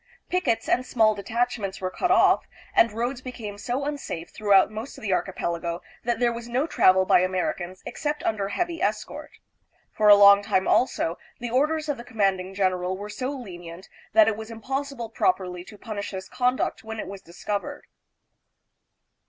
Pickets and small detach ments were cut off, and roads became so unsafe through out most of the archipelago that there was no travel by Americans except under heavy escort. For a long time, also, the orders of the commanding general were so lenient that it was impossible properly to punish this conduct when it was discovered.